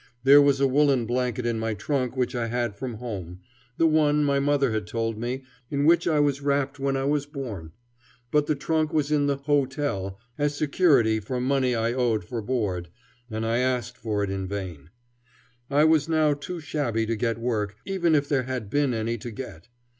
There was a woollen blanket in my trunk which I had from home the one, my mother had told me, in which I was wrapped when I was born; but the trunk was in the "hotel" as security for money I owed for board, and I asked for it in vain. I was now too shabby to get work, even if there had been any to get.